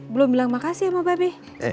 belum bilang makasih sama bapak be